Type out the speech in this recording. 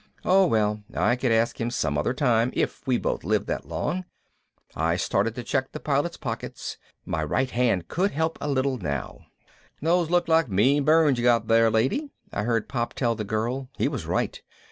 Oh well, I could ask him some other time, if we both lived that long. I started to check the Pilot's pockets. My right hand could help a little now. "Those look like mean burns you got there, lady," I heard Pop tell the girl. He was right.